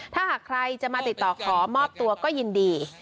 ถ้าหากใครจะมาติดต่อขอมอบตัวก็ยินดี